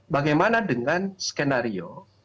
bagaimana dengan skenario